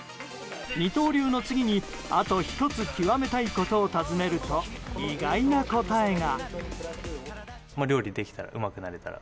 二刀流の次にあと１つ極めたいことを尋ねると、意外な答えが。